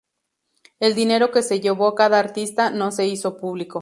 El dinero que se llevó cada artista no se hizo público.